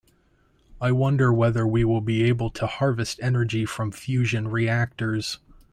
I wonder whether we will be able to harvest energy from fusion reactors.